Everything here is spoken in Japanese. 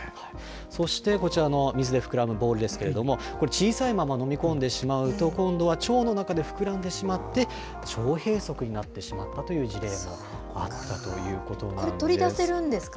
そして、こちらの水で膨らむボールですけれども、これ、小さいまま飲み込んでしまうと、今度は腸の中で膨らんでしまって、腸閉塞になってしまったという事例もあこれ、取り出せるんですか？